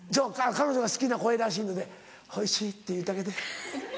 彼女が好きな声らしいので「おいしい」って言ってあげて。